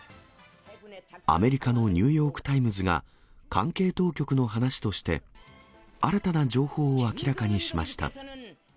アメリカのニューヨーク・タイムズが、関係当局の話として、新たな情報を明らかにしました。